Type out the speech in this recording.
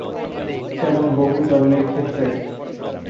যেমনঃ বহু জন্মের ক্ষেত্রে।